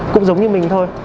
cũng giống như mình thôi